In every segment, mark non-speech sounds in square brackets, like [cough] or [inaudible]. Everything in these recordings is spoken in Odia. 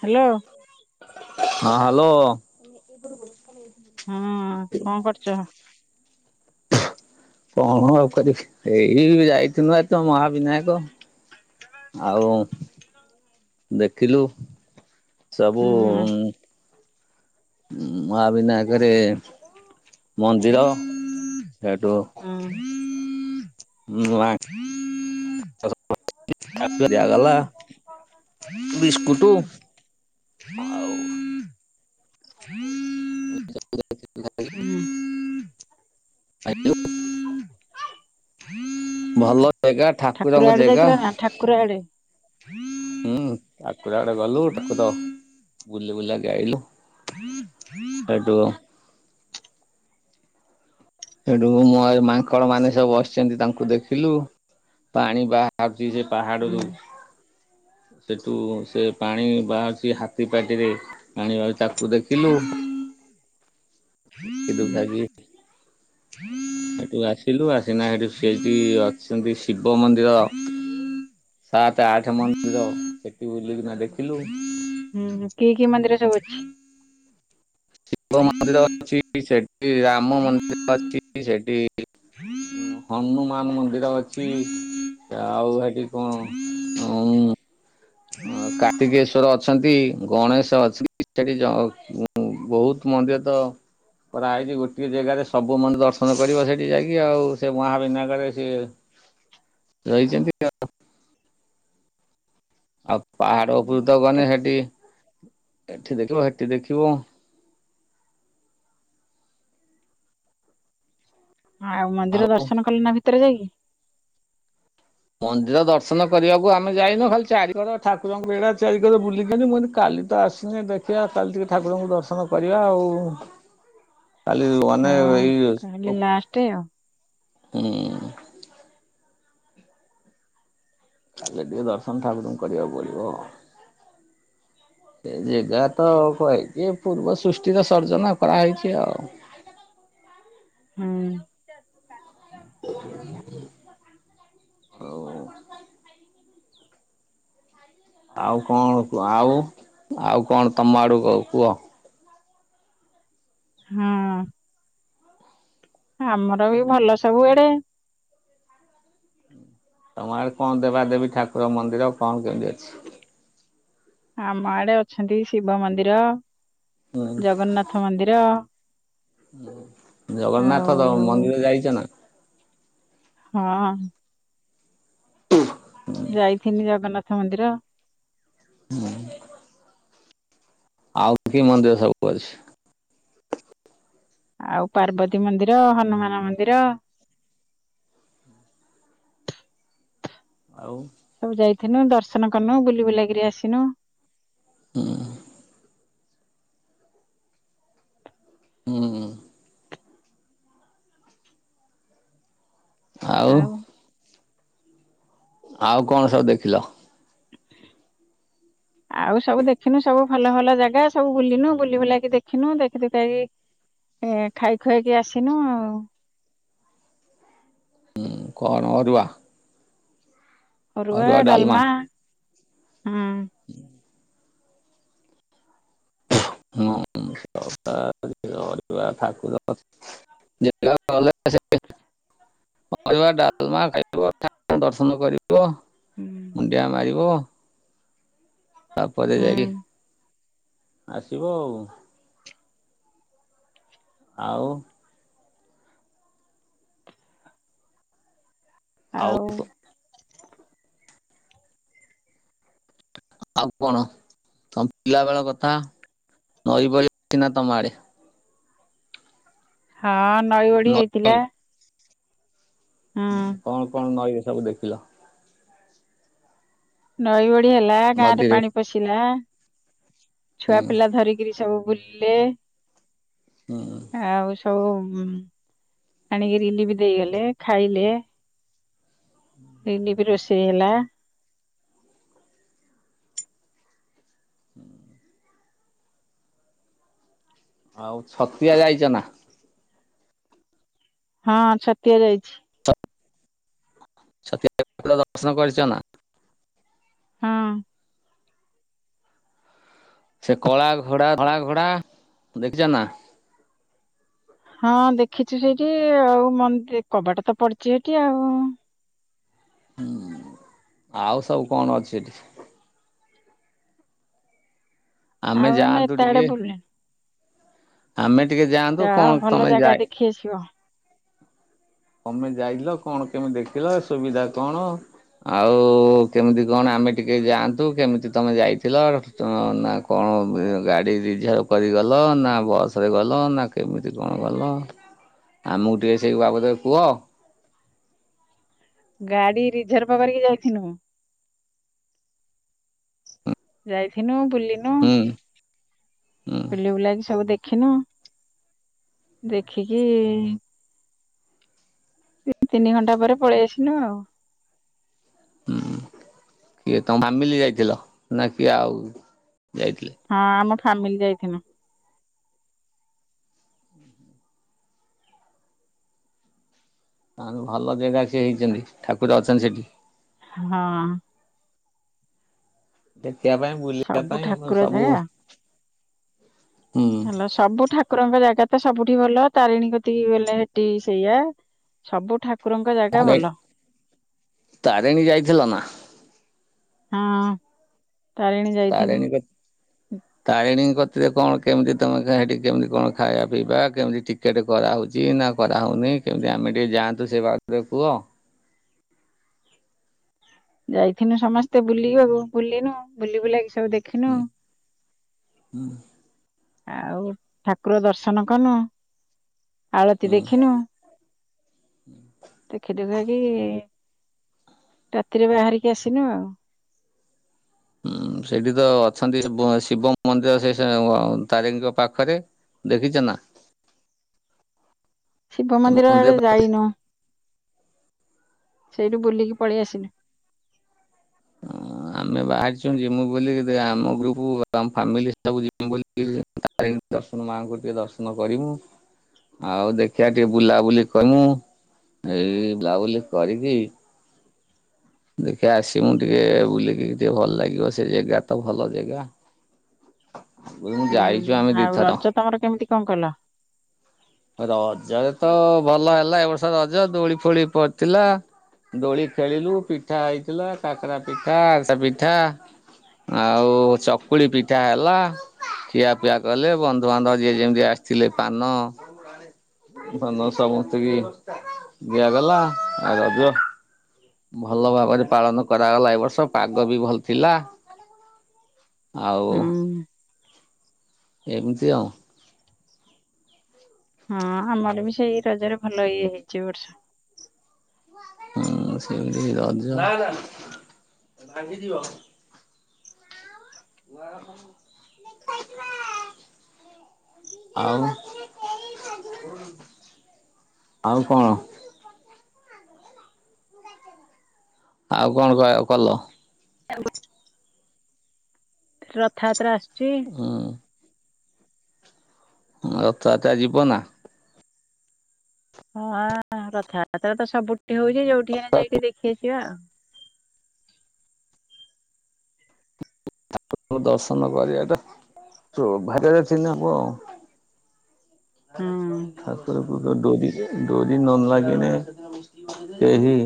ହ୍ୟାଲୋ। ହଁ ହ୍ୟାଲୋ। ହୁଁ କଣ କରୁଛ? କଣ ଆଉ କରିବି ଏଇ ଯାଇଥିନୁ ଏଇତ ମହାବିନାୟକ। ଆଉ ଦେଖିଲୁ ହୁଁ ସବୁ ହୁଁ। ଉମ୍ ମଆବିନାୟକରେ ମନ୍ଦିର ହେଠୁ ହୁଁ ନୁଆଁଙ୍କ [inaudible] ଦିଆଗଲା ବିସ୍କୁଟୁ। ହଁ, ଆଉ [inaudible] ହୁଁ, ହୁଁ। ଆଇଲୁ ଭଲ ଜେଗା। ଠାକୁର ଆଡେ ଯାଇଥିଲା ନା, ଠାକୁର ଆଡେ। ହୁଁ, ଠାକୁର ଆଡେ ଗଲୁ। ଠାକୁର, ବୁଲି ବୁଲାକି ଆଇଲୁ। ହୁଁ ସେଠୁ ହେଠୁ ମୋ ଆଇ ମାଙ୍କଡ ମାନେ ସବୁ ବସିଛନ୍ତି, ତାଙ୍କୁ ଦେଖିଲୁ। ପାଣି ବାହାରୁଛି, ସେ ହୁଁ ପାହାଡରୁ। ସେଠୁ ସେ ପାଣି ବାହାରୁଛି, ହାତୀ ପାଟିରେ। ପାଣିବାହା ତାକୁ ଦେଖିଲୁ। ଦେଖି ଦୁଖାକି ସେଠୁ ଆସିଲୁ, ଆସିନା ସେଠୁ ସେଠି ଅଛନ୍ତି, ଶିବ ମନ୍ଦିର ସାତ, ଆଠ, ମନ୍ଦିର ସେଠି ବୁଲିକିନା ଦେଖିଲୁ। ହୁଁ, କିଏ କିଏ ମନ୍ଦିର ସବୁ ଅଛି? ଶିବ ମନ୍ଦିର ଅଛି, ସେଠି ରାମ ମନ୍ଦିର ଅଛି, ସେଠି ହନୁମାନ ମନ୍ଦିର ଅଛି। ଆଉ ହେଠି କଣ? ଉଁ ଅଁ କାର୍ତ୍ତିକେଶ୍ଵର ଅଛନ୍ତି, ଗଣେଶ ଅଛି। ସେଠି ଯ ଉଁ ବହୁତ ମନ୍ଦିର ତ ପରା ହେଇଛି, ଗୋଟିଏ ଜେଗାରେ ସବୁ ମନ୍ଦିର ଦର୍ଶନ କରିବ ସେଇଠି ଯାଇକି ଆଉ। ସେ ମହାବିନାୟରେ ସିଏ ରହିଛନ୍ତି, ଆ ଆଉ ପାହାଡ ଉପରକୁତ ଗନେ ହେଠି, ଏଠି ଦେଖିବ ହେଠି ଦେଖିବ। ହଁ, ଆଉ ମନ୍ଦିର ଦର୍ଶନ କଲୁନା ଭିତରେ ଯାଇକି? ମନ୍ଦିର ଦର୍ଶନ କରିବାକୁ ଆମେ ଯାଇନୁ, ଖାଲି ଚାରି କର ଠାକୁରଙ୍କା ବେଢା ଚାରିକର ବୁଲିକିନି, ମୁଁ କଇନି କାଲି ତ ଆସ୍ ଦେଖିଆ ଆଉ କାଲି ଟିକେ, ଠାକୁରଙ୍କୁ ଦର୍ଶନ କରିବା ଆଉ। କାଲି ମାନେ ହଁ ଏଇ କାଲି ଉପ୍ ଲାଷ୍ଟ ଆଉ। ହୁଁ। କାଲି ଟିକେ ଦର୍ଶନ, ଠାକୁରଙ୍କୁ କରିବାକୁ ପଡିବ ଆଉ। ସେ ଜେଗା ତ କହିଛି, ପୂର୍ବ ସୃଷ୍ଟିର ସର୍ଜନା କରାହେଇଛି ଆଉ। ହୁଁ। ହଉ। ଆଉ କଣ କୁ, ଆଉ ଆଉ କଣ ତମ ଆଡୁକୁ କୁହ? ହଁ। ଆମର ବି ଭଲ ସବୁ ଏଡେ। ତମ ଆଡ଼େ କଣ ଦେବାଦେବୀ ଠାକୁର ମନ୍ଦିର, କଣ କେମିତି ଅଛି? ଆମ ଆଡେ ଅଛନ୍ତି ଶିବ ମନ୍ଦିର, ହୁଁ ଜଗନ୍ନାଥ ମନ୍ଦିର। ଆଉ ଜଗନ୍ନାଥ ଦ ମନ୍ଦିର ଯାଇଛନା? ହଁ। ଉ ହୁ। ଯାଇଥିନି ଜଗନ୍ନାଥ ମନ୍ଦିର। ହୁଁ। ଆଉ କି ମନ୍ଦିର ସବୁ ଅଛି? ଆଉ ପାର୍ବତୀ ମନ୍ଦିର, ହନୁମାନ ମନ୍ଦିର ଆଉ ସବୁ ଯାଇଥିନୁ ଦର୍ଶନ କନୁ ବୁଲି ବୁଲାକିରି ଆସିନୁ। ହୁଁ। ହୁଁ। ଆଉ ଆଉ କଣ ସବୁ ଦେଖିଛ? ଆଉ ସବୁ ଦେଖିନୁ ସବୁ ଭଲ ଭଲ ଜାଗା ସବୁ ବୁଲିିନୁ ବୁଲି ବୁଲାକି ଦେଖିନୁ ଦେଖି ଦୁଖାକି ଏ ଖାଇ ଖୁଆକି ଆସିନୁ ଆଉ। ହୁଁ କଣ ଅରୁଆ ଅରୁଆ ଡଲମା ହୁଁ। ହଁ ଠାକୁର ଯେତ ବେଳେ ଗଲେ ଅରୁଆ ଡାଲମା ଖାଇଥିବ ଠାକୁର ଦର୍ଶନ କରିବ ହୁଁ ମୁଣ୍ଡିଆ ମାରିବ। ତାପରେ ଯାଇକି ହୁଁ ଆସିବ ଆଉ। ଆଉ ଆଉ କୁହ ଆଉ କଣ ତମ ପିଲାବେଳ କଥା ନଈ ବଢ଼ି ହେଇଚି ନା ତମ ଆଡ଼େ? ହଁ ନଈ ବଢ଼ୀ ନଈ ହେଇଥିଲା। ହୁଁ କଣ କଣ ନଈ ରେ ସବୁ ଦେଖିଲ? ନଈ ବଢ଼ି ହେଲା ଗାଁ ରେ ନଦୀରେ? ପାଣି ପଶିଲା ଛୁଆ ହୁଁ ପିଲା ଧରିକିରି ସବୁ ବୁଲିଲେ। ହୁଁ। ଆଉ ସବୁ ଆଣିକି ରିଲିଫ ଦେଇଗଲେ ଖାଇଲେ ରିଲିଫ ରୋଷେଇ ହେଲା ହୁଁ। ଆଉ ଛତିଆ ଯାଇଛ ନା। ହଁ ଛତିଆ ଯାଇଛି। ତ [unintelligible] ଦର୍ଶନ କରିଛ ନା। ହଁ। ସେ କଳାଘୋଡା ଧଳାଘୋଡା ଦେଖିଛ ନା। ହଁ ଦେଖିଛୁ ସେଇଠି ଆଉ ମନ୍ଦି କବାଟ ତ ପଡିଛି ସେଠି ଆଉ। ଆଉ ସବୁ କଣ ଅଛି ସେଠି। ଆଉ ଆମେ ଯାଆନ୍ତୁ ଏତେ ଟିକେ ଆଡେ ବୁଲିନୁ। ଆମେ ଟିକେ ଯାଆନ୍ତୁ ଯା ହଉ କଣ ଭଲ ତମେ ଯାଏ [unintelligible] ତମେ ଯାଇଥିଲ କଣ କେମିତି ଦେଖିଲ ସୁବିଧା କଣ। ଆଉ କେମିତି କଣ ଆମେ ଟିକେ ଯାଆନ୍ତୁ କେମିତି ତମେ ଯାଇଥିଲ। ନା କଣ ଗାଡ଼ି ରିଜର୍ଭ କରିଗଲ ନା ବସରେ ଗଲ ନା କେମିତି କଣ ଗଲ ଆମକୁ ଟିକେ ସେଇ ବାବଦରେ କୁହ। ଗାଡି ରିଜର୍ଭ କରିକି ଯାଇଥିନୁଁ। ଯାଇଥିନୁ ବୁଲିନୁ। ହୁଁ। ହୁଁ ବୁଲି ବୁଲା କି ସବୁ ଦେଖିନୁ। ଦେଖିକି ଦି ତିନି ଘଣ୍ଟା ପରେ ପଳେଇ ଆସିନୁ ଆଉ। ହୁଁ କିଏ ତମ ଫାମିଲି ଯାଇଥିଲ। ନା କିଏ ଆଉ ଯାଇଥିଲେ? ହଁ ଆମ ଫାମିଲି ଯାଇଥିନୁ। ତାହେଲେ ଭଲ ଜେଗା ସିଏ ହେଇଚନ୍ତି। ଠାକୁର ଅଛନ୍ତି ସେଠି। ହଁ ଦେତିଆ ପାଇଁ ବୁଲିବା ସବୁ ପାଇଁ ମୋ ଠାକୁର ସବୁ ଜାଗା ହୁଁ ହେଲ ସବୁ ଠାକୁରଙ୍କ ଜାଗା ତ ସବୁଠି ଭଲ ତାରିଣୀ କତିକି ଗଲେ ହେଟି ସେଇଆ। ସବୁ ଠାକୁରଙ୍କ ଜାଗା ତାରେ ଭଲ। ତାରିଣୀ ଯାଇଥିଲ ନା। ହଁ ତାରିଣୀ ପୀ ହୁଁ ତାରିଣୀ କତିରେ କଣ କେମିତି ତମେ ସେଠି କେମିତି କଣ ଖାଇବା ପିଇବା କେମିତି ଟି କେଟ୍ କରାହୋଉଚି ନା କରାହେଉନି କେମିତି ଆମେ ଟିକେ ଯାଆନ୍ତୁ ସେ ବାତରେ କୁହ? ଯାଇଥିନୁ ସମସ୍ତେ ବୁଲିବାକୁ ବୁଲିିନୁ ବୁଲି ବୁଲାକି ସବୁ ଦେଖ [inaudible] ଆଉ ଠାକୁର ଦର୍ଶନ କନୁ ଆଳତି ହୁଁ ଦେଖିନୁ। ଦେଖି ଦୁଖା କି ରାତିରେ ବାହାରିକି ଆସିନୁ ଆଉ। ହୁଁ ସେଠି ତ ଅଛନ୍ତି ବ ଶିବ ମନ୍ଦିର ସେ ତାରିଣୀଙ୍କ ପାଖରେ। ଦେଖିଚ ନା। ଶିବ ମନ୍ଦିର ଆଡେ ଯାଇନଉ। ସେଇଠୁ ବୁଲିକି ପଳେଇ ଆସିଲୁ। ହଁ ଆମେ ବାହାରିଛୁ ଯିମୁ ବୋଲି ଆମ ଗ୍ରୁପ ଆମ ଫାମିଲି ସବୁ ଯି ମୁଁ ବୋଲି ତା ନି ଦର୍ଶନ ମାଙ୍କୁ ଟିକେ ଦର୍ଶନ କରିବୁ। ଆଉ ଦେଖିଆ ଟିକେ ବୁଲାବୁଲି କନୁ। ଏଇ ଲାଉଲି କରିକି ଦେଖିଆ ଆସିମୁ ଟିକେ ବୁଲିକି ଟିକେ ଭଲ ଲାଗିବ ସେ ଜେଗା ତ ଭଲ ଜେଗା। ମୁଁ କଇଲି ଯାଇ ହୁଁ ଆଉ ରଜ ତମର କେମିତି କଣ କଲ? ରଜରେ ତ ଭଲ ହେଲା ଏ ବର୍ଷ ରଜ ଦୋଳି ଫୋଳି ପଡିଥିଲା। ଦୋଳି ଖେଳିଲୁ ପିଠା ହେଇଥିଲା କାକରା ପିଠା ଆରିସ ପିଠା ଆଉ ଚକୁଳି ପିଠା ହେଲା। ଖିଆ ପିଆ କଲେ ବନ୍ଧୁବାନ୍ଧବ ଯିଏ ଯେମିତି ଆସିଥିଲେ ପାନ ପାନ ସମସ୍ତଙ୍କି ଦିଆଗଲା। ଆଉ ରଜ ଭଲ ଭାବରେ ପାଳନ କରାଗଲା ଏ ବର୍ଷ ପାଗ ବି ଭଲ ଥିଲା। ଆଉ ହୁଁ ଏମିତି ଆଉ। ହଁ ଆମର ବି ସେଇ ରଜରେ ଭଲ ଇଏ ହେଇଚି ଏ ବର୍ଷ। ହୁଁ ସେମିତି ରଜ [inaudible] ଆଉ ଆଉ କଣ? ଆଉ କଣ କହା ଭଲ। [unintelligible] ରଥଯାତ୍ରା ଆସୁଛି। ହୁଁ ରଥଯାତ୍ରା ଯିବ ନା। ହଁ ରଥାଯାତ୍ରା ତ ସବୁଠି ହଉଛି ଯୋଉଠି ଆମେ ଯାଇକି ଦେଖି ଆସିବା ଆଉ ଦର୍ଶନ କରିବାଟା ସୌଭାଗ୍ୟରେ ଥିଲେ ହବ ଉ [unintelligible] ହଁ ତୋ ଡୋରି ଡୋରି ନ ଲାଗିଲେ କେହି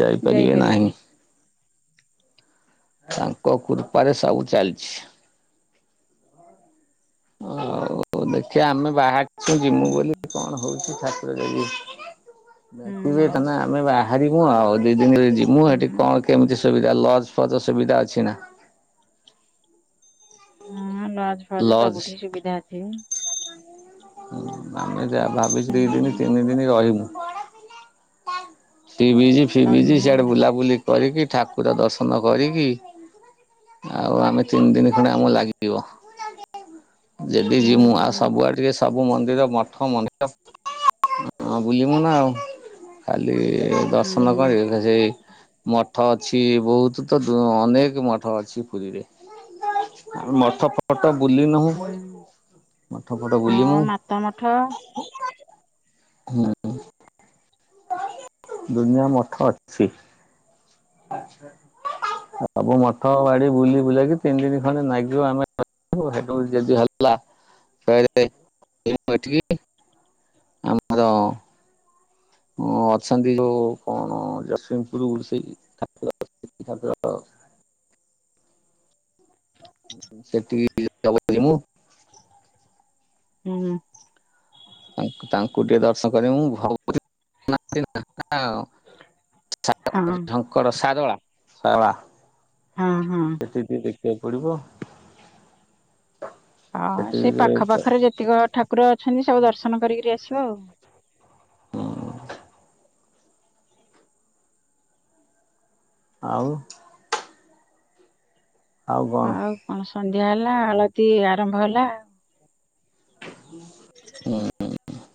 ଯାଇପାରିବେ ନାହିଁ ଯାଇପାରିବେନି ତାଙ୍କ କୃପାରେ ସବୁ ଚାଲଚି। ହଉ ଦେଖିବା ଆମେ ବାହରିଚୁ ଯିମୁ ବୋଲି ହୁଁ। କଣ ହଉଛି ଠାକୁର ଯଦି ଦେଖିବେ ହୁଁ ତମେ ଆମେ ବାହାରିବୁ ଆଉ ଦି ଦିନରେ ଯିବୁ ଏଠି ହୁଁ କଣ କେମିତି ସୁବିଧା ଲଜ୍ ଫଜ୍ ସୁବିଧା ଅଛି ନା ହଁ ଲଜ ଫଜ ଲଜ୍ ସବୁଠି ସୁବିଧା ଅଛି। ଆମେ ଯା ଭାବି ଦି ଦିନ ହୁଁ। ତିନି ଦିନ ରହିବୁ। ସି ବିଜ୍ ଫିଭିଜ ସନ୍ଧ୍ୟା ସିଆଡେ ହେଲା ବୁଲାବୁଲି କରିକି ଠାକୁର ଦର୍ଶନ କରିକି ଆଉ ଆମେ ତିନି ଦିନ ଖଣ୍ଡେ ଆମକୁ ଲାଗିବ ଯଦି ହଁ ଯିମୁଁ ଆସ ସବୁଆଡ଼ ଟିକେ ସବୁ ମନ୍ଦିର ମଠ ମନ୍ଦିର ବୁଲିବୁ ନା ଆଉ କାଲି ହୁଁ ଦର୍ଶନ କରିବ। ସେ ମଠ ଅଛି ବହୁତ ତ ଅନେକ ମଠ ଅଛି ପୁରୀରେ ମଠ [unintelligible] ଫଟୋ ବୁଲିନୁ ହୁଁ ମଠ ଫଟୋ ହଁ ବୁଲିନୁ। ମାତା ମଠ ହୁଁ ଦୁନିଆ ମଠ ଅଛି। ସବୁ ମଠ ବାଡି ବୁଲି ବୁଲାକି ତିନି ଦିନି ଖଣ୍ଡେ ନାଗିବ ଆମେ [unintelligible] ଆମର ହଁ ଅଛନ୍ତି ଯୋଉ କଣ ଜଗସିଂ ସେଠିକି [unintelligible] ମୁଁ ହୁଁ ତାଙ୍କୁ ଟିକେ ଦର୍ଶନ କରିବି ମୁଁ [unintelligible] ଆଉ ହଁ କଣ ଶାରଳା ଶାରଳା ହଁ ହଁ ସେତିିକି ଦେଖିବାକୁ ପଡିବ। ହଁ ସେଠି ସେ ପାଖ ଟିକେ ପାଖରେ ଯେତିକ ଠାକୁର ଅଛନ୍ତି ସବୁ ଦର୍ଶନ କରିକିରି ଆସିବ ଆଉ ହଁ ଆଉ ଆଉ କଣ ସନ୍ଧ୍ୟା ହେଲା ଆଳତି ଆରମ୍ଭ ହେଲା ହୁଁ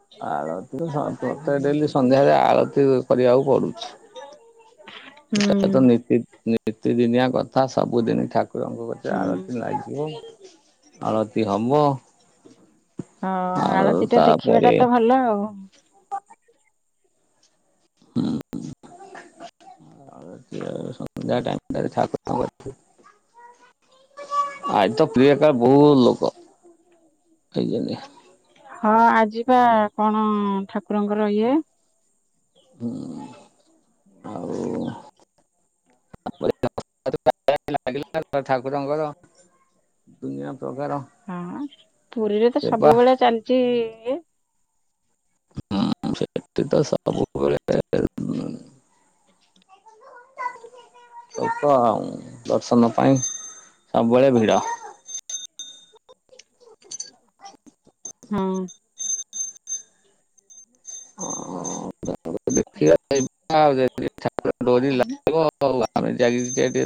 ଆ [inaudible] ଆଳତି ପ୍ରତ୍ୟକ ଡେଲି ସନ୍ଧ୍ୟାରେ ଆଳତି କରିବାକୁ ପଡୁଛି ହୁଁ ସେଟା ତ ନୀତି ନିତିଦିନିଆ କଥା ସବୁଦିନ ଠାକୁରଙ୍କ କ ହୁଁ। ଆଳତି ଲାଗିବ ଆଳତି ହବ। ହଁ ଆଉ ଆଳତି ଟା ଦେଖିବାଟା ତ ଭଲ ଆଉ ହ ହୁଁ ଆ ସନ୍ଧ୍ୟା ଟାଇମ୍ ଠାକୁରଙ୍କ ଆଇ ତ ପ୍ରିୟକାର ବୋହୁତ ଲୋକ ହେଇଛନ୍ତି। ହଁ ଆଜିିପା କଣ ଠାକୁରଙ୍କର ଇଏ। ହୁଁ ଆଉ [unintelligible] ଠାକୁରଙ୍କର ଦୁନିଆ ପ୍ରକାର ହଁ ପୁରୀରେ ତ ସେବା ସବୁବେଳେ ଚାଲିଚି ଇଏ। ସେଠିତ ସବୁବେଳେ ଲୋକ ଦର୍ଶନ ପାଇଁ ସବୁବେଳେ ଭିଡ଼। ହୁଁ। [unintelligible] ହଉ ଆମେ ଯାଇଁକି ଯାଇ ଟିକେ